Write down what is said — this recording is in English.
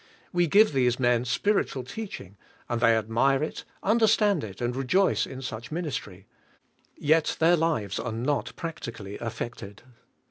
We give these men spirit ual teaching, and they admire it, understand it, and rejoice in such ministry; yet their lives are not practically affected.